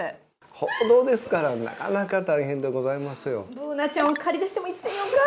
報道ですからなかなか大変でございますよ。